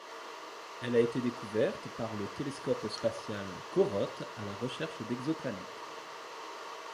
Elle a été découverte par le télescope spatial CoRoT, à la recherche d'exoplanètes.